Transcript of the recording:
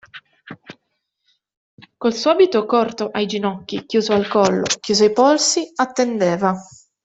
Col suo abito corto ai ginocchi, chiuso al collo, chiuso ai polsi, attendeva.